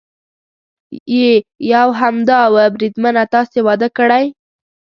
یې یو همدا و، بریدمنه تاسې واده کړی؟